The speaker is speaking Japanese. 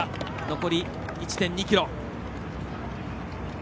残り１．２ｋｍ。